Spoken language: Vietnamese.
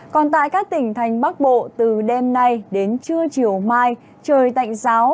còn tại các tỉnh thành bắc bộ từ đêm nay đến trưa chiều mai trời tạnh giáo